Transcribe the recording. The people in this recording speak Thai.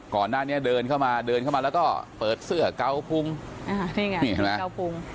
ก่อนหน้านี้เดินเข้ามาเดินเข้ามาแล้วก็เปิดเสื้อเก้าปุ้งอ่านี่ไงเก้าปุ้ง